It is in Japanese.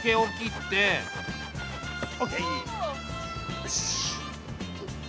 よし。